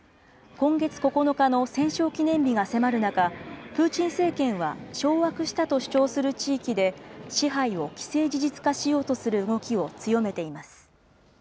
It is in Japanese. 今月９日の戦勝記念日が迫る中、プーチン政権は、掌握したと主張する地域で、支配を既成事実化しようとする動きを強めています。